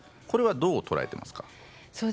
これはどう捉えてますか？